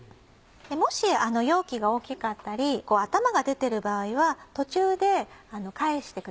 もし容器が大きかったり頭が出てる場合は途中で返してください。